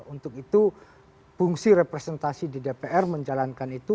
untuk itu fungsi representasi di dpr menjalankan itu